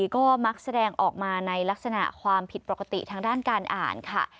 ก็มักแสดงออกมาในลักษณะความผิดปกติทางด้านการอ่านค่ะ